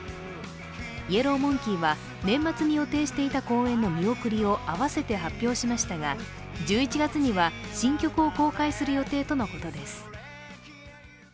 ＴＨＥＹＥＬＬＯＷＭＯＮＫＥＹは年末に予定していた公演の見送りを合わせて発表しましたが１１月には新曲を公開する予定とのことです。